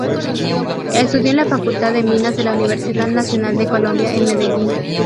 Estudió en la Facultad de Minas de la Universidad Nacional de Colombia en Medellín.